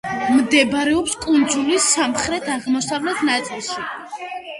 მდებარეობს კუნძულის სამხრეთ-აღმოსავლეთ ნაწილში.